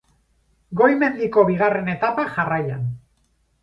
Goi-mendiko bigarren etapa jarraian.